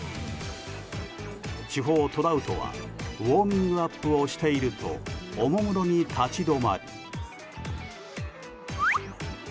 主砲トラウトはウォーミングアップをしているとおもむろに立ち止まり。